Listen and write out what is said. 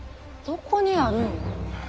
どこにあるんや。